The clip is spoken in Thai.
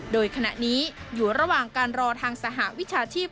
โดยขณะนี้อยู่ระหว่างการรอทางสหวิชาชีพ